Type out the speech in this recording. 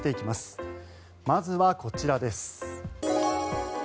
まずはこちらです。